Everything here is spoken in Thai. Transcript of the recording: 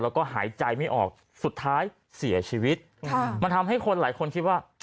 แล้วก็หายใจไม่ออกสุดท้ายเสียชีวิตค่ะมันทำให้คนหลายคนคิดว่า